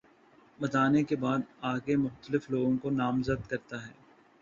بتانے کے بعد آگے مختلف لوگوں کو نامزد کرتا ہے